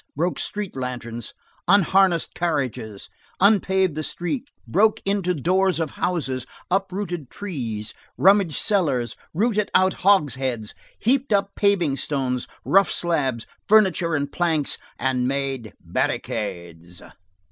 broke street lanterns, unharnessed carriages, unpaved the streets, broke in the doors of houses, uprooted trees, rummaged cellars, rolled out hogsheads, heaped up paving stones, rough slabs, furniture and planks, and made barricades.